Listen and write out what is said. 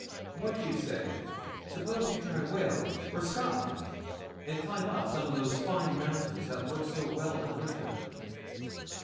What do you say? Suppose you try Wales or Scotland, and climb up some of those fine mountains that look so well in winter?'